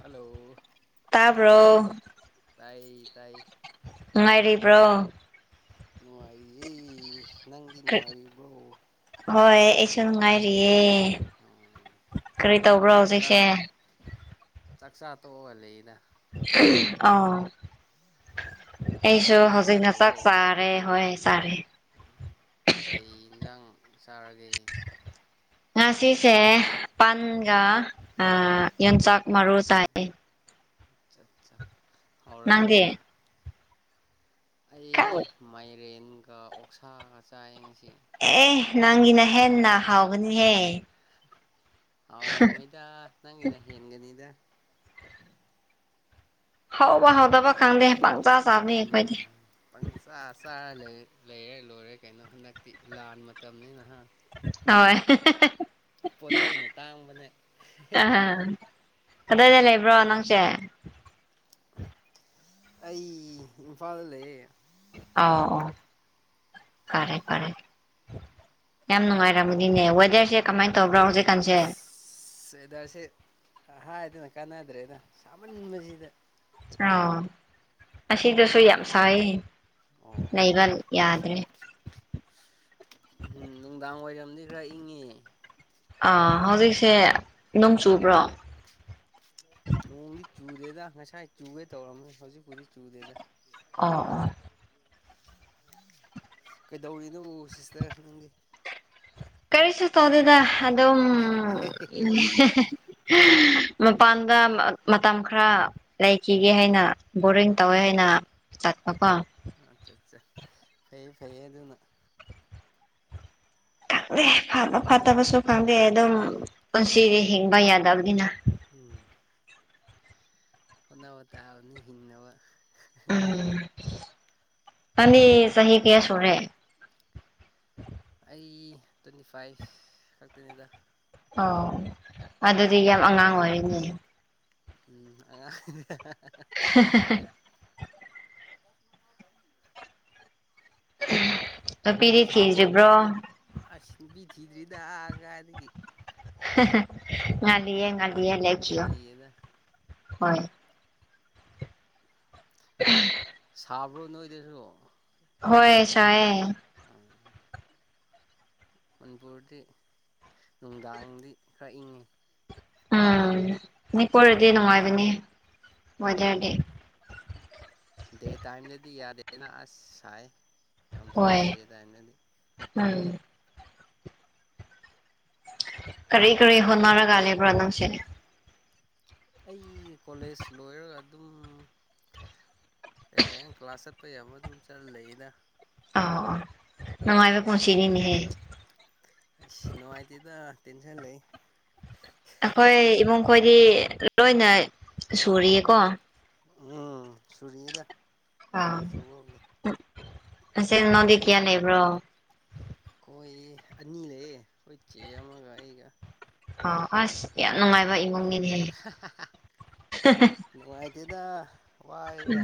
Hello ꯇꯥꯕ꯭ꯔꯣ ꯇꯥꯏ ꯇꯥꯏ ꯕꯣ ꯅꯨꯡꯉꯥꯏꯔꯤꯌꯦ ꯅꯪꯗꯤ ꯅꯨꯡꯉꯥꯏꯔꯤꯕ꯭ꯔꯣ ꯍꯣꯏ ꯑꯩꯁꯨ ꯅꯨꯡꯉꯥꯏꯔꯤꯌꯦ ꯀꯔꯤ ꯇꯧꯕ꯭ꯔꯣ ꯍꯧꯖꯤꯛꯁꯦ ꯆꯥꯛꯆꯥꯥ ꯑꯣ ꯂꯩ ꯏꯅ ꯑ ꯑꯩꯁꯨ ꯅꯪꯗꯤ ꯍꯧꯖꯤꯛ ꯆꯥꯛ ꯆꯥꯔꯦ ꯍꯣꯏ ꯆꯥꯔꯦ ꯎ ꯀꯩ ꯌꯦꯟꯁꯥꯡ ꯆꯥꯔꯒꯦ ꯉꯁꯤꯁꯦ ꯄꯥꯟꯒ ꯌꯣꯡꯆꯥꯛ ꯃꯔꯨ ꯇꯥꯏ ꯅꯪꯗꯤ ꯍꯧꯔꯝꯅꯤꯅ ꯑꯩ ꯃꯥꯏꯔꯦꯟꯒ ꯑꯣꯛꯁꯥꯒ ꯆꯥꯏ ꯉꯁꯤ ꯑꯦ ꯅꯪꯒꯤꯅ ꯍꯦꯟꯅ ꯍꯥꯎꯒꯅꯤꯍꯦ ꯑꯥꯎꯔ ꯃꯣꯏꯗ ꯅꯪꯤꯅ ꯌꯦꯦꯟꯒꯅꯤꯗ ꯍꯧꯕ ꯍꯧꯗꯕ ꯈꯪꯗꯦ ꯄꯪꯆꯥꯥ ꯆꯥꯕꯅꯤ ꯑꯩꯈꯣꯏꯗꯤ ꯄꯪꯆꯥ ꯆꯥꯔ ꯂꯩꯔꯦ ꯂꯣꯏꯔꯦ ꯀꯩꯅꯣ ꯍꯟꯗꯛꯇꯤ ꯂꯥꯟ ꯃꯇꯝꯅꯤꯅ ꯍ ꯄꯣꯠ ꯆꯩꯩꯅ ꯇꯥꯡꯝꯕꯅꯦ ꯑ ꯀꯗꯥꯏꯗ ꯂꯩꯕ꯭ꯔꯣ ꯅꯪꯁꯦ ꯑꯩ ꯏꯝꯐꯥꯜꯗ ꯂꯩ ꯑ ꯑ ꯈꯔꯦ ꯐꯔꯦ ꯌꯥꯝ ꯅꯨꯡꯉꯥꯏꯔ ꯃꯨꯗꯤꯅꯦꯦꯁꯤꯦ ꯀꯃꯥꯏ ꯑꯁ ꯍꯥ ꯍꯥꯏꯗꯤ ꯀꯥꯟꯅꯗ꯭ꯔꯦꯗ ꯁꯥꯃꯟꯕꯁꯤꯗ ꯑꯥ ꯑꯁꯤꯗꯁꯨ ꯌꯥꯝ ꯁꯥꯏ ꯑꯣ ꯑꯣ ꯑꯣ ꯅꯩꯕ ꯌꯥꯗ꯭ꯔꯦ ꯎꯝ ꯅꯨꯡꯗꯥꯡ ꯋꯥꯏꯔꯝꯗꯤ ꯈꯔ ꯏꯪꯉꯤ ꯑꯥ ꯍꯧꯖꯤꯛꯁꯦ ꯅꯣꯡ ꯆꯨꯕ꯭ꯔꯣ ꯅꯣꯡꯗꯤ ꯆꯨꯗꯦꯗ ꯉꯁꯥꯏ ꯆꯨꯒꯦ ꯇꯧꯔꯝꯅꯤ ꯍꯧꯖꯤꯛꯄꯨꯗꯤꯛ ꯆꯨꯗꯦꯗ ꯑ ꯑ ꯀꯩꯗꯧꯔꯤꯅꯣ ꯁꯤꯁꯇꯔ ꯅꯪꯒꯤ ꯀꯔꯤꯁꯨ ꯇꯧꯗꯦꯗ ꯑꯗꯨꯝ ꯃꯄꯥꯟꯒ ꯃꯇꯝ ꯈꯔ ꯂꯩꯈꯤꯒꯦ ꯍꯥꯏꯅ ꯕꯣꯔꯤꯡ ꯇꯧꯋꯦ ꯍꯥꯏꯅ ꯆꯠꯄ ꯀꯣ ꯑꯆꯥ ꯑꯠꯆꯥ ꯐꯩ ꯐꯩꯌꯦ ꯑꯗꯨ ꯑꯗꯨꯅ ꯈꯪꯗꯦ ꯐꯕ ꯐꯠꯇꯕꯁꯨ ꯈꯪꯗꯦ ꯑꯗꯨꯝ ꯄꯨꯟꯁꯤꯗꯤ ꯍꯤꯡꯕ ꯌꯥꯗꯕꯅꯤꯅ ꯎꯝ ꯍꯣꯠꯅꯕ ꯇꯥꯕꯅꯤ ꯍꯤꯡꯅꯕ ꯑꯗꯤ ꯆꯍꯤꯍꯤ ꯀꯌꯥ ꯁꯔꯦ ꯇ꯭ꯋꯦꯟꯇꯤ ꯇ꯭ꯋꯦꯟꯇꯤ ꯐꯥꯏꯚ ꯈꯛꯇꯅꯤꯗ ꯑꯣ ꯑꯗꯨꯗꯤ ꯌꯥꯝ ꯑꯉꯥꯡ ꯑꯣꯏꯔꯤꯅꯤꯅꯦ ꯎꯝ ꯑ [inaudible] ꯑꯄꯤꯤꯗꯤ ꯊꯤꯗ꯭ꯔꯤꯕ꯭ꯔꯣ ꯤꯗꯨꯗꯑꯒꯗꯒꯤ ꯉꯜꯂꯤꯌꯦ ꯉꯜꯂꯤꯌꯦ ꯂꯦꯈꯤꯌꯣ ꯉꯜꯂꯤꯌꯦꯗ ꯍꯣꯏ [inaudible] ꯁꯥꯕ꯭ꯔꯣ ꯅꯣꯏꯗꯁꯨ ꯍꯣꯏ ꯁꯥꯌꯦ ꯃꯅꯤꯄꯨꯔꯗꯤ ꯅꯨꯡꯗꯥꯡꯗꯤ ꯈꯔ ꯏꯪꯉꯤ ꯎꯝ ꯃꯤꯄꯔꯗꯤ ꯅꯨꯡꯉꯥꯏꯕꯅꯤ ꯎꯝ ꯋꯦꯗꯔꯗꯤ ꯗꯦ ꯇꯥꯏꯝꯗꯗꯤ ꯌꯥꯗꯦꯅ ꯑꯁ ꯁꯥꯏ ꯌꯥꯝ ꯁꯥꯏ ꯍꯣꯏ ꯗꯦ ꯇꯥꯏꯝꯗꯗꯤ ꯎꯝ ꯀꯔꯤ ꯀꯔꯤ ꯍꯣꯟꯅꯔꯒꯂꯦꯕ꯭ꯔꯣ ꯅꯝꯁꯤꯅꯤ ꯑꯩ ꯀꯣꯂꯦꯖ ꯂꯣꯏꯔꯒ ꯑꯗꯨꯝ ꯀꯩꯀ ꯀ꯭ꯂꯥꯁ ꯆꯠ ꯄ ꯌꯥ ꯑꯃ ꯑꯗꯨꯝ ꯆꯠꯂ ꯂꯩꯗ ꯑ ꯑ ꯅꯉꯥꯏꯕ ꯄꯣꯁꯤꯤꯅꯤꯅꯤꯍꯦ ꯑ ꯅꯨꯡꯉꯥꯏꯇꯦꯗ ꯇꯦꯟꯁꯟ ꯂꯩ ꯑꯩꯈꯣꯏ ꯏꯃꯨꯡ ꯈꯣꯏꯗꯤ ꯂꯣꯏꯅ ꯁꯨꯔꯤꯌꯦꯀꯣ ꯎꯝ ꯁꯨꯔꯗ ꯁꯕꯒꯦ ꯑꯁ ꯅꯗ ꯀꯌꯥ ꯂꯩꯕ꯭ꯔꯣ ꯑꯩꯈꯣꯏ ꯑꯅꯤ ꯂꯩ ꯑꯩꯈꯣꯏ ꯆꯦ ꯑꯃꯒ ꯑꯩꯒ ꯑꯣ ꯑꯁ ꯌꯥꯝ ꯅꯨꯡꯉꯥꯏꯕ ꯏꯃꯨꯡꯒꯤ ꯅꯨꯡꯉꯥꯏꯇꯦꯗ ꯋꯥꯏꯗ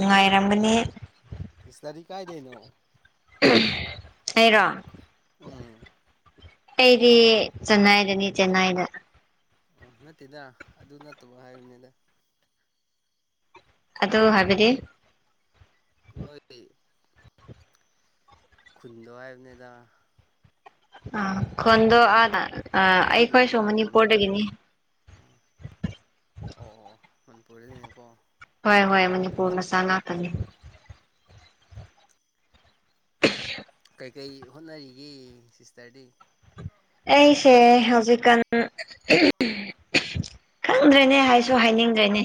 ꯉ ꯉꯥꯏꯔꯝꯕꯅꯤ ꯕꯤꯤꯁ ꯇꯔꯤ ꯀꯥꯏꯗꯅꯣ ꯑꯩꯔꯣ ꯎꯝ ꯑꯩꯗꯤ ꯆꯟꯅꯏꯗꯅꯤ ꯆꯦꯟꯅꯏꯅ ꯑꯣ ꯅꯠꯇꯦꯗ ꯑꯗꯨ ꯅꯠꯇꯕ ꯍꯥꯏꯕꯅꯤꯗ ꯑꯗꯣ ꯍꯥꯏꯕꯗꯤ ꯅꯣꯏ ꯈꯨꯟꯗ ꯍꯥꯏꯅꯦꯗ ꯑ ꯈꯣꯟꯗꯣ ꯑꯥꯗ ꯍꯧꯖꯤꯛ ꯑꯩꯈꯣꯏꯁꯨ ꯂꯩꯕ ꯃꯐꯝꯗꯣ ꯃꯅꯤꯄꯨꯔꯗꯒꯤꯅꯤ ꯑꯣ ꯃꯄꯅꯦꯀꯣ ꯍꯣꯏ ꯍꯣꯏ ꯃꯅꯤꯄꯨꯔ ꯃꯆꯥ ꯉꯥꯛꯇꯅꯤ ꯀꯩꯀꯩ ꯍꯣꯠꯅꯔꯤꯒꯦ ꯁꯤꯁꯇꯔꯗꯤ ꯑꯩꯁꯦ ꯍꯧꯖꯤꯛꯀꯥꯟ ꯈꯪꯗ꯭ꯔꯦꯅꯦ ꯍꯥꯏꯁꯨ ꯍꯥꯏꯅꯤꯡꯗ꯭ꯔꯦꯅꯦ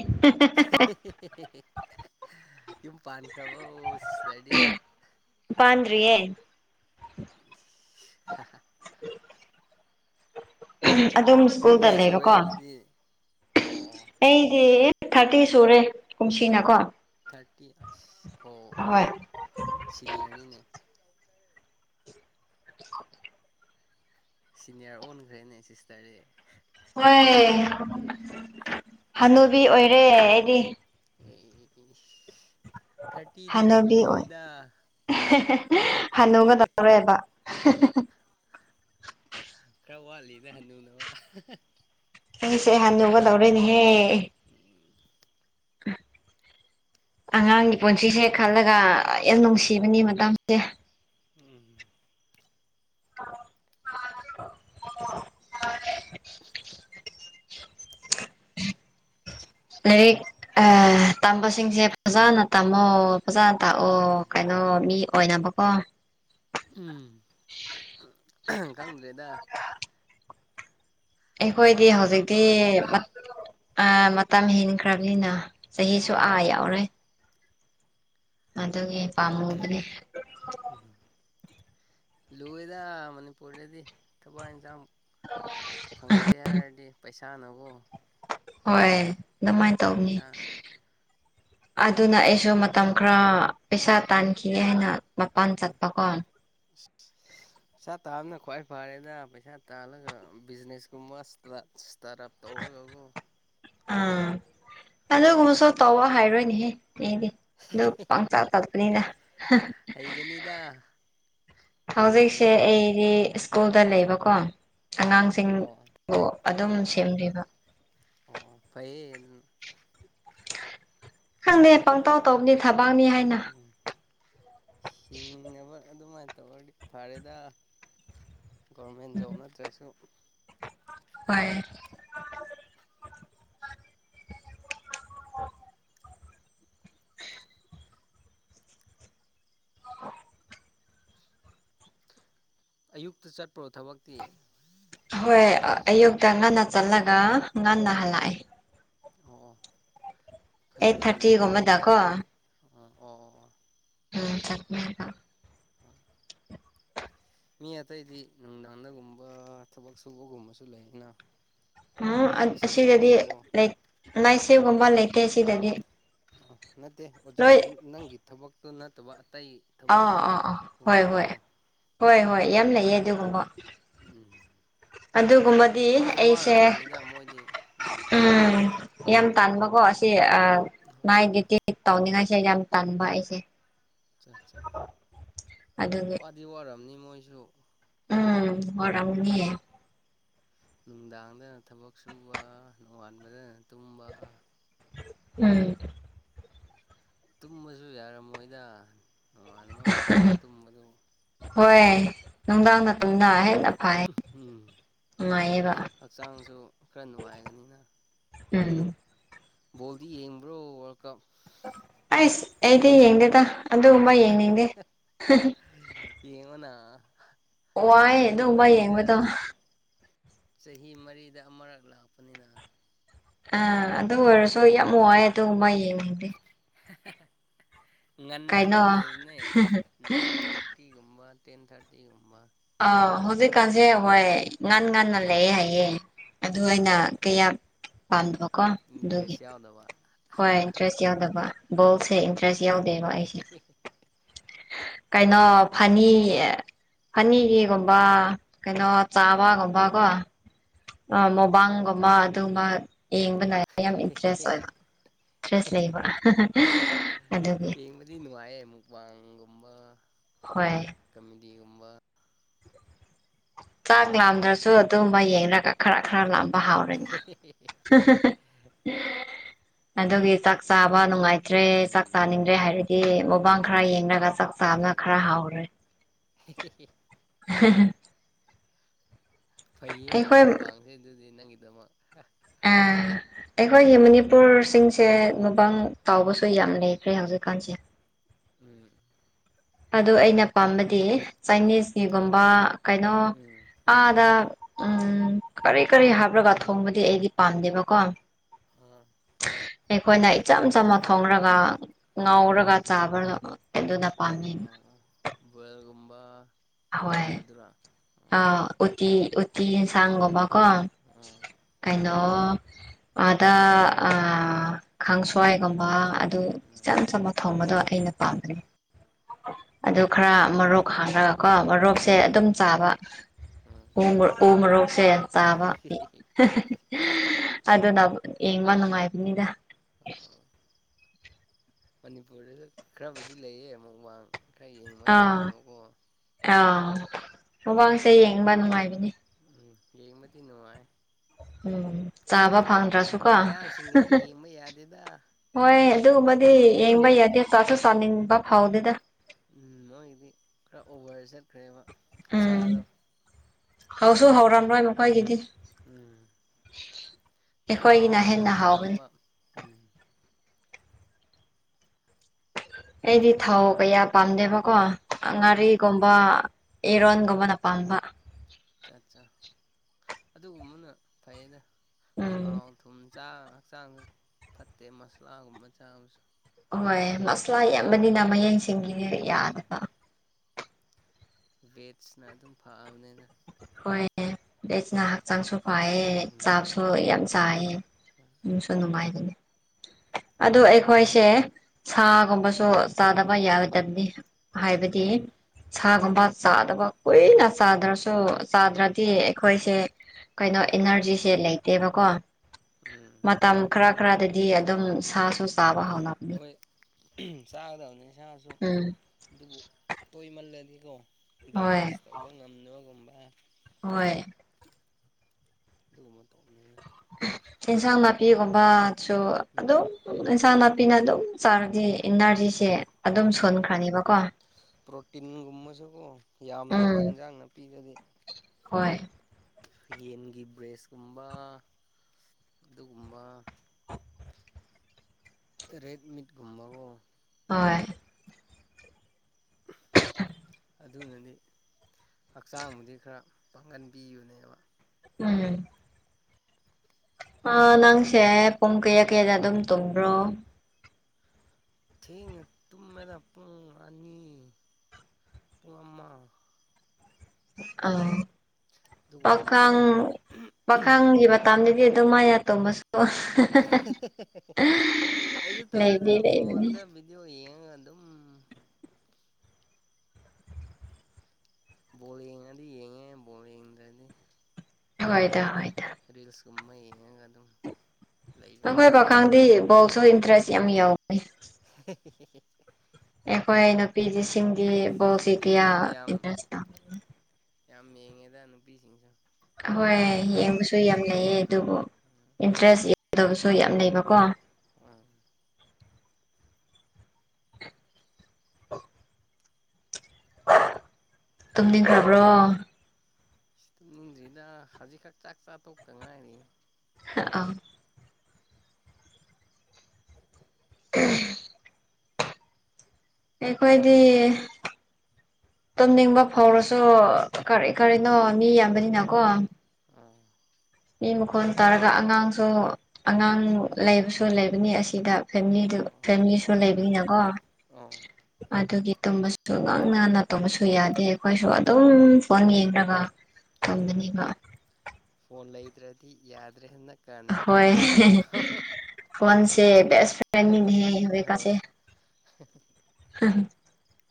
[inaudible] ꯌꯨꯝ ꯄꯥꯟꯈ꯭ꯔꯕ ꯁꯤꯗꯗꯤ ꯄꯥꯟꯗ꯭ꯔꯤꯌꯦ [inaudible] ꯑꯗꯨꯝ ꯆꯍꯤ ꯁ꯭ꯀꯨꯜꯗ ꯀꯌꯥ ꯁꯨꯔꯦ ꯂꯩꯕꯀꯣ ꯑꯗꯨꯗꯤ ꯑꯣ ꯑꯣ ꯑꯩꯗꯤ ꯊꯥꯔꯇꯤ ꯁꯨꯔꯦ ꯀꯨꯝꯁꯤꯅꯀꯣ ꯊꯥꯔꯇꯤ ꯑ ꯍꯣꯏ ꯑꯣ ꯁꯤꯅꯤꯌꯔꯅꯤꯅꯦ [inaudible] ꯁꯤꯅꯤꯌꯥꯔ ꯑꯣꯟꯈ꯭ꯔꯦꯅꯦ ꯁꯤꯁꯇꯔꯗꯤ ꯍꯣꯏ ꯍꯅꯨꯕꯤ ꯑꯣꯏꯔꯦ ꯑꯩꯗꯤ ꯑꯦ [inaudible] ꯊꯥꯔꯇꯤꯗꯤ ꯍꯜꯂꯨꯗ꯭ꯔꯤꯗ ꯍꯜꯅꯧꯒꯗꯧꯔꯦꯕ ꯕꯂꯤꯅꯦꯅꯨꯅ ꯋꯥ ꯑꯩꯁꯦ ꯍꯅꯨꯒꯗꯧꯔꯦꯅꯦꯍꯦ ꯎꯝ [inaudible] ꯑꯉꯥꯡꯒꯤ ꯄꯨꯟꯁꯤꯁꯦ ꯈꯜꯂꯒ ꯌꯥꯝ ꯅꯨꯡꯁꯤꯕꯅꯤ ꯃꯇꯝꯁꯦ ꯎꯝ [unintelligible] [unintelligible] [unintelligible] [inaudible] ꯂꯥꯏꯔꯤꯛ ꯑ ꯇꯝꯕꯁꯤꯡꯁꯦ ꯐꯖꯥꯅ ꯇꯝꯃꯣ ꯐꯖꯥꯅ ꯇꯥꯛꯑꯣ ꯀ ꯎꯝ ꯀꯩꯅꯣ ꯃꯤ ꯑꯣꯏꯅꯕꯀꯣ ꯎꯝ [inaudible] ꯈꯪꯗ꯭ꯔꯦꯗ ꯑꯩꯈꯣꯏꯗꯤ ꯄꯪꯇꯧ ꯍꯧꯖꯤꯛꯇꯤ ꯇꯧꯔꯤꯅꯦꯗ ꯃꯇꯝ ꯍꯦꯟꯈ꯭ꯔꯕꯅꯤꯅ ꯆꯍꯤꯁꯨ ꯑꯥ ꯎꯝ ꯌꯥꯎꯔꯦ ꯑꯗꯨꯒꯤ ꯄꯥꯝꯃꯨꯗꯅꯦ ꯂꯣꯏꯏꯦꯗ ꯃꯅꯤꯄꯨꯔꯗꯗꯤ ꯊꯕꯛ ꯌꯦꯟꯁꯥꯡ ꯐꯪꯖꯦ ꯍꯥꯏꯔꯗꯤ ꯄꯩꯁꯥꯅꯕꯨ ꯍꯣꯏ ꯑꯗꯨꯃꯥꯏꯅ ꯇꯧꯅꯤ ꯑꯗꯨꯅ ꯑꯩꯁꯨ ꯄꯩꯁꯥꯅ ꯃꯇꯝ ꯑꯗꯨꯝ ꯈꯔ ꯄꯩꯁꯥ ꯇꯥꯟꯈꯤꯒꯦ ꯍꯥꯏꯅ ꯃꯄꯥꯟ ꯆꯠꯄꯀꯣ [inaudible] ꯄꯩꯁꯥ ꯇꯥꯕꯅ ꯈ꯭ꯋꯥꯏ ꯐꯔꯦꯅ ꯄꯩꯁꯥ ꯇꯥꯜꯂꯒ ꯕꯤꯖꯤꯅꯦꯁ ꯀꯨꯝꯕ ꯏꯁꯇꯥꯔꯠ ꯑꯞ ꯇꯧꯔꯦ ꯑꯥ ꯑꯗꯨꯒꯨꯝꯕꯁꯨ ꯇꯧꯋ ꯍꯥꯏꯔꯣꯏꯅꯦꯍꯦ ꯑꯩꯗꯤ ꯑꯗꯨ ꯄꯪꯆꯥꯛ ꯆꯠꯄꯅꯤꯅ ꯍꯩꯒꯅꯤꯗ ꯀꯩꯒꯤ ꯍꯧꯖꯤꯛꯁꯦ ꯍꯩ ꯑꯩꯗꯤ ꯁ꯭ꯀꯨꯜꯗ ꯂꯩꯕꯀꯣ ꯑꯣ ꯑꯉꯥꯡꯁꯤꯡꯕꯨ ꯑꯣ ꯑꯗꯨꯝ ꯑꯣ ꯑꯣ ꯁꯦꯝꯕꯤꯕ ꯑꯣ ꯑꯣ ꯐꯩꯌꯦ ꯑꯗꯨꯅ ꯈꯪꯗꯦ ꯄꯪꯇꯥꯎ ꯇꯧꯕꯅꯦ ꯊꯕ ꯎꯝ ꯍꯤꯡꯉꯅꯕ ꯑꯗꯨꯃꯥꯏꯅ ꯇꯧ ꯑꯣꯏꯔꯗꯤ ꯐꯔꯦꯗ ꯒꯣꯔꯃꯦꯟ ꯖꯣꯕ ꯅꯠꯇ꯭ꯔꯁꯨ ꯍꯣꯏ ꯑꯌꯨꯛꯇ ꯆꯠꯄ꯭ꯔꯣ ꯊꯕꯛꯇꯤ ꯍꯣꯏ ꯑꯌꯨꯛꯇ ꯉꯟꯅ ꯑꯣ ꯆꯠꯂꯒ ꯑꯣ ꯉꯟꯅ ꯍꯜꯂꯛꯑꯦ ꯑꯣ ꯑꯣ ꯑꯩꯠ ꯊꯥꯔꯇꯤꯒꯨꯝꯕꯗꯀꯣ ꯎ ꯑꯣ ꯑꯣ ꯑꯣ ꯎꯝ ꯆꯃꯦ ꯃꯤ ꯑꯇꯩꯗꯤ ꯅꯨꯡꯗꯥꯡꯗꯒꯨꯝꯕ ꯊꯕꯛ ꯁꯨꯕꯒꯨꯝꯕꯁꯨ ꯂꯩ ꯑꯩꯅ ꯎꯝ ꯑꯁꯤꯗꯗꯤ ꯎꯝ ꯂꯥꯏꯁꯒꯨꯝꯕ ꯂꯩꯇꯦ ꯑꯁꯤꯗꯗꯤ ꯑ ꯅꯠꯇꯦ ꯅꯪꯒꯤ ꯊꯕꯛꯇꯨ ꯅꯠꯇꯕ ꯑꯇꯩ ꯑꯥ ꯑꯥ ꯑꯥ ꯍꯣꯏ ꯍꯣꯏ ꯊꯕꯛꯀꯨꯝꯕꯀꯣ ꯍꯣꯏ ꯍꯣꯏ ꯎꯝ ꯌꯥꯝ ꯂꯩꯌꯦ ꯑꯗꯨꯒꯨꯝꯕ ꯎꯝ ꯑꯗꯨꯒꯨꯝꯕꯗꯤ ꯋꯥꯁꯨ ꯑꯩꯁꯦ ꯋꯥꯔꯝꯅꯤꯗ ꯃꯣꯏꯗꯤ ꯎꯝ ꯌꯥꯝ ꯇꯥꯟꯕꯀꯣ ꯑꯁꯤ ꯎꯝ ꯃꯥꯏꯗꯨꯗꯤ ꯇꯧꯅꯤꯉꯥꯏꯁꯦ ꯌꯥꯝ ꯇꯥꯟꯕ ꯑꯩꯁꯦ ꯑꯠꯆꯥ ꯑꯠꯆꯥ ꯑꯗꯨꯒꯤ ꯋꯥꯗꯤ ꯋꯥꯝꯅꯤ ꯃꯣꯏꯁꯨ ꯎꯝ ꯍꯔ ꯑꯅꯤ ꯅꯨꯡꯗꯥꯡꯗꯅ ꯊꯕꯛ ꯁꯨꯕ ꯅꯣꯡꯉꯥꯟꯕꯗꯅ ꯇꯨꯝꯕ ꯎꯝ ꯇꯨꯝꯃꯁꯨ ꯌꯥꯔꯝꯃꯣꯏꯗ ꯅꯣꯡꯉꯥꯟꯕ ꯃꯇꯝꯗ ꯇꯨꯝꯕꯗꯨ ꯍꯣꯏ ꯅꯨꯡꯗꯥꯗ ꯎꯝ ꯅꯨꯡꯉꯥꯏꯌꯦꯕ ꯍꯛꯆꯥꯡꯁꯨ ꯈꯔ ꯅꯨꯡꯉꯥꯏꯒꯅꯤꯅ ꯎꯝ ꯣꯜꯗꯤ ꯌꯦꯡꯕ꯭ꯔꯣ ꯋꯥ ꯀ ꯑꯁ ꯑꯗꯤ ꯌꯦꯒꯗ ꯑꯗꯨꯒꯨꯝꯕ ꯌꯦꯡꯅꯤꯡꯗꯦ ꯌꯦꯡꯉꯣꯅ ꯋꯥꯏ ꯆꯍꯤ ꯑꯗꯨꯒꯨꯝꯕ ꯃꯔꯤꯗ ꯌꯦꯡꯕꯗꯣ ꯆꯍꯤ ꯃꯔꯤꯗ ꯑꯃꯨꯔꯛ ꯂꯥꯛꯄꯅꯤꯅ ꯑ ꯑꯗꯨ ꯑꯣꯏꯔꯁꯨ ꯌꯥꯝ ꯋꯥꯏ ꯑꯗꯨꯒꯨꯝꯕ ꯌꯦꯡꯉꯗꯤ ꯉꯟꯅ ꯑꯗꯨꯝ ꯂꯩꯕꯅꯦ ꯅꯥꯏꯟ ꯊꯥꯔꯇꯤꯒꯨꯝꯕ ꯇꯦꯟ ꯊꯥꯔꯇꯤꯒꯨꯝꯕ ꯑꯥ ꯍꯧꯖꯤꯛꯀꯥꯟꯁꯦ ꯍꯣꯏ ꯉꯥꯟ ꯉꯟꯅ ꯂꯩꯑꯦ ꯍꯥꯏꯌꯦꯦ ꯑꯗꯨꯅ ꯀꯌꯥ ꯄꯥꯝꯗ ꯏ ꯇ꯭ꯔꯦꯁꯤ ꯌꯥꯎꯗꯕ ꯍꯣꯏ ꯏꯟꯇꯔꯦꯁ ꯌꯥꯎꯗꯕ ꯕꯣꯜꯁꯦ ꯏꯟꯇꯔꯦꯁ ꯌꯥꯎꯗꯦꯕ ꯑꯩꯁꯦ ꯀꯩꯅꯣ ꯐꯅꯤ ꯐꯅꯤꯒꯤꯒꯨꯝꯕ ꯀꯩꯅꯣ ꯎꯝ ꯆꯥꯕꯒꯨꯝꯕ ꯀꯣ ꯑꯥ ꯃꯕꯥꯟꯒꯨꯝꯕ ꯑꯗꯨꯒꯨꯝꯕ ꯌꯦꯡꯕ ꯅꯥꯏ ꯌꯥꯝ ꯏꯟꯇꯔꯦꯁ ꯑꯣꯏꯕ ꯏꯟꯇꯔꯦꯁ ꯂꯩꯕ ꯑꯗꯨꯒꯤ ꯑꯩꯕꯗꯤ ꯅꯅꯨꯡꯉꯥꯏꯦ ꯃꯨꯛ ꯋꯥ ꯍꯣꯏ ꯑꯗꯨꯒꯒꯨꯝꯕ ꯆꯥꯛ ꯂꯥꯝꯗ꯭ꯔꯁꯨ ꯑꯗꯨꯒꯨꯝꯕ ꯌꯦꯡꯅꯒ ꯈꯔ ꯈꯔ ꯂꯥ ꯍꯥꯎꯔꯦꯅ ꯑꯗꯨꯒꯤ ꯆꯥꯛ ꯆꯥꯕ ꯅꯨꯡꯉꯥꯏ ꯆꯗ꯭ꯔꯦ ꯆꯥꯛ ꯎꯝ ꯆꯥꯅꯤꯡꯗ꯭ꯔꯦ ꯍꯥꯏꯔꯗꯤ ꯃꯨꯕꯥꯥꯡ ꯈꯔ ꯌꯦꯡꯂꯡꯒ ꯆꯥꯛ ꯑꯠꯆꯥ ꯆꯥꯅ ꯈꯔ ꯑꯠꯆꯥ ꯍꯥꯎꯔꯦ [unintelligible] [unintelligible] ꯐꯩꯌꯦꯅꯦ ꯑꯃꯨꯛ ꯑꯩꯈꯣꯏ ꯄꯡꯁꯦ ꯑꯗꯨꯗꯤ ꯅꯪꯒꯤꯗꯃꯛ ꯑꯥ ꯑꯩꯈꯣꯏꯒꯤ ꯃꯅꯤꯄꯨꯔꯁꯤꯡꯁꯦ ꯃꯕꯥꯥꯡ ꯇꯥꯎꯕꯁꯨ ꯌꯥꯝ ꯂꯩꯈ꯭ꯔꯦ ꯍꯧꯖꯤꯛꯀꯥꯟꯁꯦ ꯎꯝ ꯑꯗꯨ ꯑꯩꯅ ꯄꯥꯝꯕꯗꯤ ꯆꯥꯏꯅꯤꯁꯀꯤꯒꯨꯝꯕ ꯀꯩꯅꯣ ꯎꯝ ꯑꯗ ꯎꯝ ꯀꯔꯤ ꯀꯔꯤ ꯍꯥꯞꯂꯒ ꯊꯣꯡꯕꯗꯤ ꯑꯩꯗꯤ ꯄꯥꯝꯗꯦꯕꯀꯣ ꯑꯥ ꯑꯩꯈꯣꯏꯅ ꯏꯆꯝ ꯆꯝꯝꯕ ꯊꯣꯡꯔꯒ ꯉꯥꯎꯔꯒ ꯆꯥꯕ ꯑꯗꯨꯅ ꯑ ꯄꯥꯝꯃꯤ ꯑꯥ ꯑꯒꯨꯝ ꯍꯣꯏ ꯑꯥ ꯑ ꯎꯇ ꯑꯇ ꯆꯥꯡꯒꯃ ꯀ ꯑꯥ ꯑꯥ ꯀꯥꯏꯩꯅꯣ ꯑꯗ ꯑ ꯈꯥꯡꯁ꯭ꯋꯥꯏꯒꯨꯝꯕ ꯑꯗꯨ ꯎꯝ ꯏꯆꯝ ꯆꯝꯕ ꯊꯣꯡꯕꯗꯣ ꯑꯩꯅ ꯄꯥꯝꯕꯅꯦ ꯑꯗꯨ ꯈꯔ ꯃꯔꯣꯛ ꯍꯥꯡꯉꯒꯀꯣ ꯃꯔꯣꯛꯁꯦ ꯑꯗꯨꯝ ꯎꯝ ꯆꯥꯕ ꯎꯝ ꯎ ꯎ ꯃꯣꯔꯣꯛꯁꯦ ꯆꯥꯕ ꯑꯗꯨꯅ ꯌꯦꯡꯕ ꯅꯨꯡꯉꯥꯏꯕꯅꯤꯗ ꯑꯣ ꯃꯅꯤꯄꯨꯔꯗꯁꯨ ꯈꯔꯕꯨꯗꯤ ꯂꯩꯌꯦ ꯑꯃꯨꯛ ꯋꯥꯡ ꯑꯥ ꯑꯥ ꯃꯃꯡꯁꯦ ꯌꯦꯡꯕ ꯅꯨꯡꯉꯥꯏꯕꯅꯤ ꯎꯝ ꯌꯦꯃꯗꯤ ꯅꯅꯨꯡꯉꯥꯏ ꯎꯝ ꯆꯥꯕ ꯐꯪꯗ꯭ꯔꯁꯨꯀꯣ ꯃꯌꯥꯡꯁꯤꯡꯒꯗꯤ ꯌꯦꯡꯕ ꯌꯥꯗꯦꯗ ꯍꯣꯏ ꯑꯗꯨꯒꯨꯝꯕꯗꯤ ꯌꯦꯡꯕ ꯎꯝ ꯌꯥꯗꯦ ꯆꯥꯁꯨ ꯆꯥꯅꯤꯡꯕ ꯐꯥꯎꯗꯦꯗ ꯎꯝ ꯃꯣꯏꯒꯤꯗꯤ ꯈꯔ ꯑꯣꯚꯔ ꯆꯠꯈ꯭ꯔꯦꯕ ꯎꯝ ꯈꯨꯠꯆꯥꯗꯣ ꯍꯧꯁꯨ ꯍꯧꯔꯝꯂꯣꯏ ꯃꯈꯣꯏꯒꯤꯗꯤ ꯎꯝ ꯑꯩꯈꯣꯏꯒꯤꯅ ꯊꯥꯎꯅ ꯍꯦꯟꯅ ꯍꯥꯎꯕꯅꯤ ꯑꯌꯥꯝꯕ ꯎꯝ ꯑꯩꯗꯤ ꯊꯥꯎ ꯀꯌꯥ ꯄꯥꯝꯗꯦꯕꯀꯣ ꯑꯣ ꯉꯥꯔꯤꯒꯨꯝꯕ ꯑꯦꯔꯣꯅ ꯀꯕꯅ ꯄꯝꯕ ꯆꯠ ꯆ ꯑꯗꯨꯒꯨꯝꯕꯅ ꯐꯩꯗ ꯎꯝ ꯊꯥꯎ ꯊꯨꯝ ꯆꯥꯛ ꯍꯛꯆꯥꯡꯁꯨ ꯐꯠꯇꯦ ꯃꯁꯂꯥꯒꯨꯝꯕ ꯆꯥꯕꯁꯨ ꯍꯣꯏ ꯃꯁꯂꯥ ꯌꯥꯝꯕꯅꯤꯅ ꯃꯌꯦꯛꯡꯁꯤꯡꯒꯤꯅꯦꯦꯛ ꯌꯥꯗꯕ ꯋꯦꯠꯁꯅ ꯑꯗꯨꯝ ꯐꯕꯅꯤꯅ ꯍꯣꯏ ꯂꯩꯗꯩꯆꯅ ꯍꯛꯆꯥꯡꯁꯨ ꯋꯥꯏꯑꯦ ꯎꯝ ꯆꯥꯕꯁꯨ ꯌꯥꯝ ꯆꯥꯏꯌꯦꯦ ꯑꯗꯨꯅꯨꯡꯁꯨ ꯅꯨꯡꯉꯥꯏꯕꯅꯤ ꯑꯗꯨ ꯑꯩꯈꯣꯏꯁꯦ ꯁꯥꯒꯨꯝꯕꯁꯨ ꯆꯥꯗꯕ ꯌꯥꯔꯣꯏꯗꯕꯅꯤ ꯍꯥꯏꯕꯗꯤ ꯎꯝ ꯁꯥꯒꯨꯝꯕ ꯆꯥꯗꯕ ꯀꯨꯏꯅ ꯆꯥꯗ꯭ꯔꯁꯨ ꯆꯥꯗ꯭ꯔꯗꯤ ꯑꯩꯈꯣꯏꯁꯦ ꯀꯩꯅꯣ ꯏꯅꯔꯖꯤꯁꯦ ꯂꯩꯇꯦꯕꯀꯣ ꯎꯝ ꯃꯇꯝ ꯈꯔ ꯈꯔꯗꯗꯤ ꯑꯗꯨꯝ ꯁꯥꯁꯨ ꯆꯥꯕ ꯍꯧꯅꯕꯅꯤ ꯍꯣꯏ ꯆꯥꯒꯗꯕꯅꯤ ꯏꯁꯥꯁꯨ ꯎꯝ ꯑꯗꯨꯕꯨ ꯇꯣꯏꯃꯜꯂꯗꯤ ꯍꯣꯏ ꯗꯥꯏꯖꯦꯁ ꯇꯧꯕ ꯉꯝꯅꯕꯒꯨꯝꯕ ꯍꯣꯏ [unintelligible] ꯑꯦꯟꯁꯥꯡ ꯅꯥꯄꯤꯒꯨꯝꯕꯥꯁꯨ ꯎꯝ ꯑꯗꯨꯝ ꯑꯦꯟꯁꯥꯡ ꯅꯥꯄꯤꯅ ꯑꯗꯨꯝ ꯆꯔꯗꯤ ꯎꯝ ꯏꯅꯔꯖꯤꯁꯦ ꯑꯗꯨꯝ ꯁꯣꯟꯈ꯭ꯔꯅꯤꯕꯀꯣ꯫ ꯄ꯭ꯔꯣꯇꯤꯟꯒꯨꯝꯕꯁꯨ ꯌꯥꯝꯗꯦꯕ ꯎꯝ ꯏꯟꯖꯥꯡ ꯅꯥꯄꯤꯗꯗꯤ꯫ ꯍꯣꯏ ꯌꯦꯟꯒꯤ ꯕ꯭ꯔꯦꯁꯀꯨꯝꯕ ꯑꯗꯨꯒꯨꯝꯕ ꯔꯦꯠꯃꯤꯠꯒꯨꯝꯕꯕꯣ ꯍꯣꯏ ꯑꯗꯨꯅꯗꯤ ꯍꯛꯆꯥꯡꯕꯨꯗꯤ ꯈꯔ ꯄꯥꯡꯒꯟꯄꯤꯕꯅꯦꯕ꯫ ꯎꯝ ꯑ ꯅꯪꯁꯦ ꯄꯨꯡ ꯀꯌꯥ ꯀꯌꯥꯗ ꯑꯗꯨꯝ ꯇꯨꯝꯕ꯭ꯔꯣ? ꯊꯦꯡꯅ ꯇꯨꯝꯃꯦꯗꯥ ꯄꯨꯡ ꯑꯅꯤ ꯋꯥꯃ ꯑ ꯑꯗꯨꯒꯨꯝꯕꯗꯨ ꯄꯥꯈꯪ ꯑꯩ ꯄꯥꯈꯪꯒꯤ ꯃꯇꯝꯗꯗꯤ ꯑꯗꯨꯃꯥꯏ ꯇꯣꯝꯕꯁ [unintelligible] ꯀꯩꯁꯨ ꯇꯧꯔꯤꯗ ꯂꯩꯗꯤ ꯂꯩꯕꯅꯤ ꯐꯣꯟꯗ ꯚꯤꯗꯤꯑꯣ ꯌꯦꯡꯉꯒ ꯑꯗꯨꯝ ꯕꯣꯜ ꯌꯦꯉꯗꯤ ꯌꯦꯉꯦ ꯕꯣꯜ ꯌꯦꯡꯗꯔꯗꯤ [unintelligible] ꯀꯨꯝꯃꯩ ꯍꯦꯡ ꯑꯗꯨꯝ ꯅꯈꯣꯏ ꯂꯩꯕꯅꯤꯅ ꯄꯈꯪꯗꯤ ꯕꯣꯜ ꯁꯨ ꯏꯟꯇꯔꯦꯁ ꯌꯥꯝ ꯌꯥꯎ [unintelligible] ꯑꯩꯈꯣꯏ ꯅꯨꯄꯤꯖꯤꯁꯤꯡꯗꯤ ꯕꯣꯜꯁꯤ ꯀꯌꯥ ꯅꯨꯄꯤꯁꯤꯡꯁꯨ ꯌꯥꯝ ꯏꯟꯇꯔꯦꯁ [unintelligible] ꯌꯥꯝ ꯌꯦꯡꯉꯦꯗ ꯅꯨꯄꯤꯁꯤꯡꯁꯨ ꯍꯣꯏ ꯌꯦꯡꯕꯁꯨ ꯌꯥꯝ ꯂꯩꯌꯦ ꯑꯗꯨꯕꯨ ꯏꯟꯇꯔꯦꯁ ꯌꯥꯎꯗꯕꯁꯨ ꯌꯥꯝ ꯂꯩꯕꯀꯣ꯫ ꯎꯝ [unintelligible] [unintelligible] ꯇꯨꯝꯅꯤꯡꯈ꯭ꯔꯕ꯭ꯔꯣ? ꯇꯨꯝꯅꯤꯡꯗ꯭ꯔꯤꯗ ꯍꯧꯖꯤꯛꯈꯛ ꯆꯥꯛꯆꯥꯇꯣꯛꯇ ꯉꯥꯏꯔꯤ꯫ ꯑꯥ [unintelligible] ꯑꯩꯈꯣꯏꯗꯤ ꯇꯨꯝꯅꯤꯡꯕ ꯐꯥꯎꯔꯁꯨ ꯀꯔꯤ ꯀꯔꯤꯅꯣ ꯃꯤ ꯌꯥꯝꯕꯅꯤꯅꯀꯣ ꯑꯥ ꯃꯤ ꯃꯈꯣꯟ ꯇꯥꯔꯒ ꯑꯉꯥꯡꯁꯨ ꯑꯉꯥꯡ ꯂꯩꯕꯁꯨ ꯂꯩꯕꯅꯤ ꯑꯁꯤꯗ ꯑꯥ ꯐꯦꯝꯂꯤꯗꯨ ꯑꯥ ꯑꯥ ꯑꯣ ꯐꯦꯝꯂꯤꯁꯨ ꯑꯣ ꯑꯣ ꯂꯩꯕꯅꯤꯅꯀꯣ ꯑꯣ ꯑꯗꯨꯒꯤ ꯇꯨꯝꯕꯁꯨ ꯉꯟꯉꯟꯅ ꯇꯝꯕꯁꯨ ꯌꯥꯗꯦ ꯑꯩꯈꯣꯏꯁꯨ ꯑꯗꯨꯝ ꯎꯝ ꯐꯣꯟ ꯌꯦꯡꯔꯒ ꯎꯝ [unintelligible] ꯐꯣꯟ ꯂꯩꯗ꯭ꯔꯗꯤ ꯌꯥꯗ꯭ꯔꯦ ꯍꯣꯏ [unintelligible] ꯃꯤꯅꯤꯠ ꯑꯃ [unintelligible] ꯐꯣꯟꯁꯦ ꯕꯦꯁ ꯐ꯭ꯔꯦꯟ ꯅꯤꯅꯦꯍꯦ ꯍꯣꯏ ꯍꯨꯖꯤꯛꯀꯟꯁꯦ꯫ [inaudible] [unintelligible]